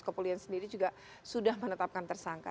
kepolisian sendiri juga sudah menetapkan tersangka